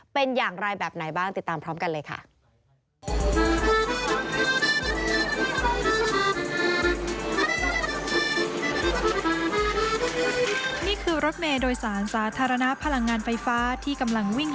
เป็นอย่างไรแบบไหนบ้างติดตามพร้อมกันเลยค่ะ